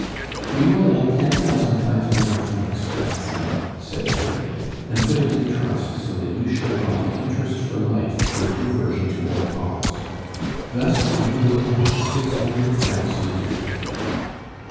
"We will add ten thousand five hundred francs to that sum," said Adeline, "and put it in trust so that you shall draw the interest for life with reversion to Hortense. Thus, you will have six hundred francs a year."